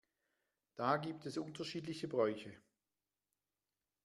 Da gibt es unterschiedliche Bräuche.